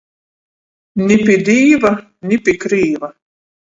Ni pi Dīva, ni pi krīva!